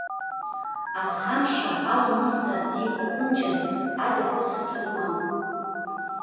Аԥхамшьа, аламысда, зиқәа ахәымџьар ада хәыцырҭа змам.